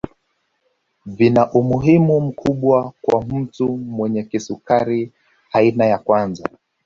Vina umuhimu mkubwa kwa mtu mwenye kisukari aina ya kwanza